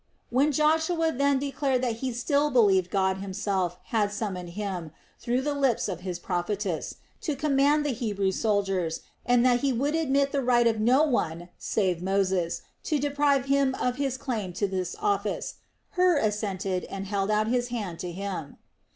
When Joshua then declared that he still believed God Himself had summoned him, through the lips of His prophetess, to command the Hebrew soldiers and that he would admit the right of no one save Moses to deprive him of his claim to this office, Hur assented and held out his hand to him.